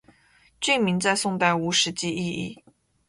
郡名在宋代无实际意义。